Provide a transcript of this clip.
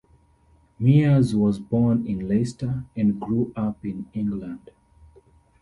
Myers was born in Leicester, and grew up in England.